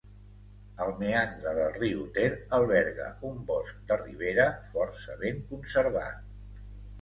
El meandre del riu Ter alberga un bosc de ribera força ben conservat.